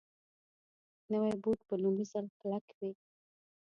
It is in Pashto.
نوی بوټ په لومړي ځل کلک وي